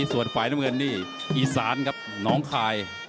ส่วนฝ่ายน้ำเงินนี่อีสานครับน้องคาย